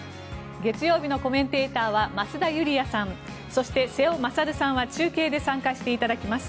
月曜日のコメンテーターは増田ユリヤさんそして、瀬尾傑さんは中継で参加していただきます。